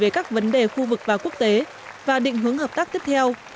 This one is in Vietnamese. về các vấn đề khu vực và quốc tế và định hướng hợp tác tiếp theo